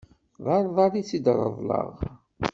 D arḍal i t-reḍleɣ.